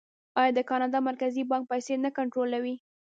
آیا د کاناډا مرکزي بانک پیسې نه کنټرولوي؟